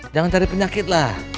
jangan cari penyakit lah